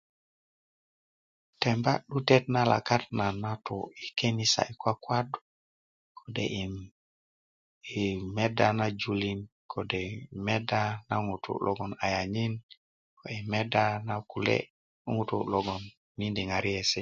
temba 'dutet na lakat na nan tu kenisa i kwakwaddu kode' ii meda na julin kode' yi meda na ŋutuu logoŋ ayanika logon miindi ŋariesi'